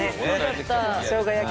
しょうが焼き。